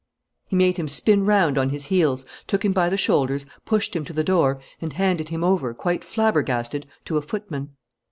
He made him spin round on his heels, took him by the shoulders, pushed him to the door, and handed him over, quite flabbergasted, to a footman.